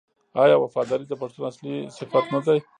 آیا وفاداري د پښتون اصلي صفت نه دی؟